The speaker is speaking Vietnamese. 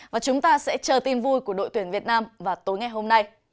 và chúng ta sẽ chờ tin vui của đội tuyển việt nam vào tối ngày hôm nay